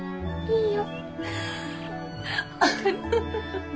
いいよ。